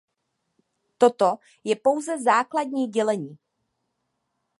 Toto je pouze základní dělení.